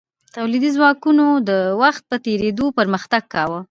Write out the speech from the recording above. تولیدي ځواکونو د وخت په تیریدو پرمختګ کاوه.